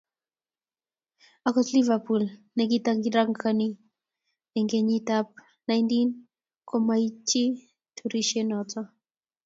Okot liverpool ne ki ntaranik eng kenyit ab naindi ko maityi turishe noto.